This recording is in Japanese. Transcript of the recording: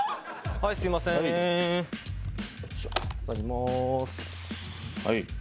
はい。